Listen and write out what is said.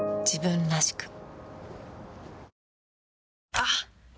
あっ！